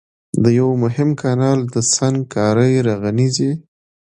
د يوه مهم کانال د سنګکارۍ رغنيزي